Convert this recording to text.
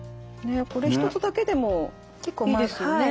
これ一つだけでもいいですよね。